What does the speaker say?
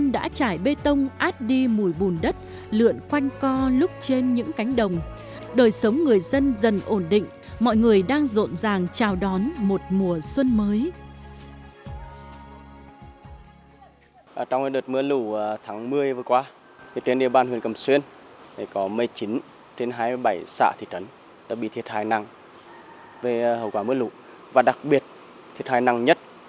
đã có cái thông báo đến tất cả các em học sinh